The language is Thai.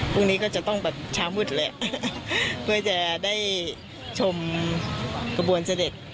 พรุ่งนี้ก็จะต้องแบบเช้ามืดแหละเพื่อจะได้ชมกระบวนเสด็จ